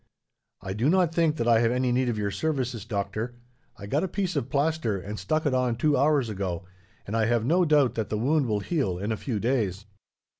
"I do not think that I have any need of your services, doctor. I got a piece of plaster, and stuck it on two hours ago, and I have no doubt that the wound will heal in a few days."